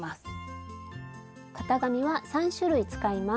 スタジオ型紙は３種類使います。